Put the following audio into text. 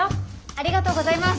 ありがとうございます。